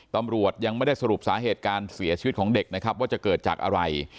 ตำรวจยังไม่ได้สรุปสาเหตุการเสียชีวิตของเด็กนะครับว่าจะเกิดจากอะไร